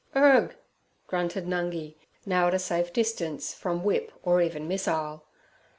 'Urgh!' grunted Nungi, now at a safe distance from whip or even missile.